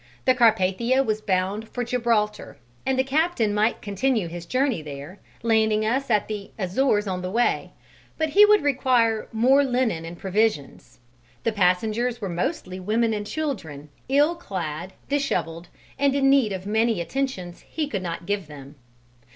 The Carpathia was bound for Gibraltar, and the captain might continue his journey there, landing us at the Azores on the way; but he would require more linen and provisions, the passengers were mostly women and children, ill clad, dishevelled, and in need of many attentions he could not give them.